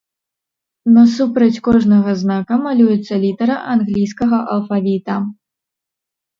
Насупраць кожнага знака малюецца літара англійскага алфавіта.